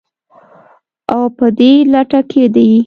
او په دې لټه کې دي